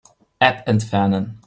App entfernen.